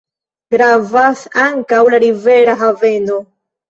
Gravas ankaŭ la rivera haveno.